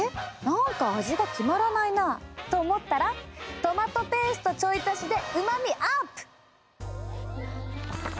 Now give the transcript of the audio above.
なんか味が決まらないなと思ったらトマトペーストちょい足しでうまみアップ。